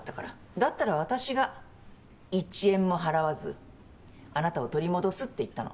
だったら私が１円も払わずあなたを取り戻すって言ったの。